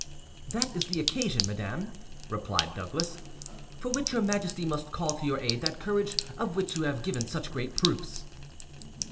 "That is the occasion, madam," replied Douglas, "for which your Majesty must call to your aid that courage of which you have given such great proofs."